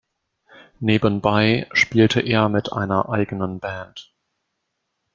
Nebenbei spielte er mit einer eigenen Band.